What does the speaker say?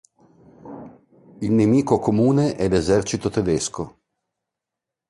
Il nemico comune è l'esercito tedesco.